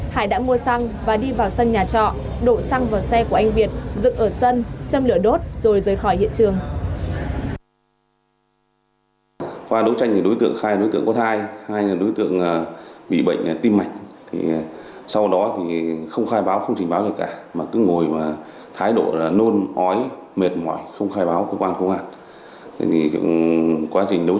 hải đã mua xăng và đi vào sân nhà trọ đổ xăng vào xe của anh việt dựng ở sân châm lửa đốt